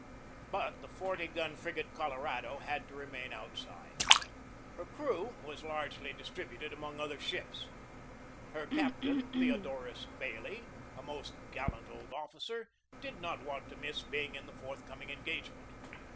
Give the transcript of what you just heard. But the forty gun frigate Colorado had to remain outside. Her crew was largely distributed among other ships. Her captain, Theodorus Bailey, a most gallant old officer, did not want to miss being in the forthcoming engagement.